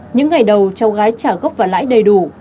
những ngày đầu cháu gái trả gốc và lãi đầy đủ